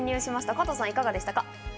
加藤さん、いかがでしたか？